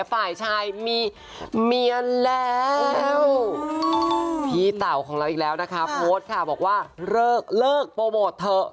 เลิกโปรโมทเถอะ